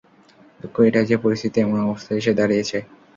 দুঃখ এটাই যে, পরিস্থিতি এমন অবস্থায় এসে দাঁড়িয়েছে।